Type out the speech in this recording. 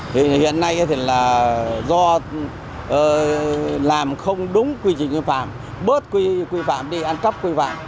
thì hiện nay thì là do làm không đúng quy trình vi phạm bớt quy phạm đi ăn cắp quy phạm